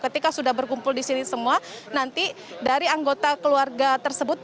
ketika sudah berkumpul di sini semua nanti dari anggota keluarga tersebut